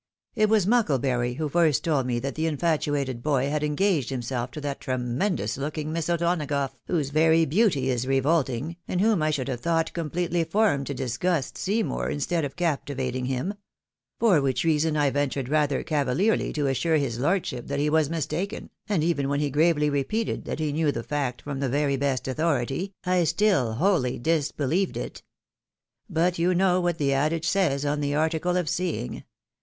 It was Mucklebury who first told me that the infatuated boy had engaged himself to that tremendous looking Miss O'Donagough, whose very beauty is revolting, and wliom I should have thought completely formed to disgust Seymour, instead of captivating him ; for which reason I ventured rather cavaherly to assure his lordship that he was mistaken, and even when he gravely repeated that he knew the fact from the very best authority, I still wholly disbelieved it. But you know what the adage says on the article of seeing.